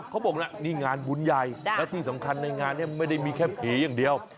เขาบอกนะนี่งานบุญใหญ่และที่สำคัญในงานนี้ไม่ได้มีแค่ผีอย่างเดียว